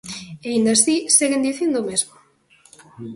E aínda así seguen dicindo o mesmo.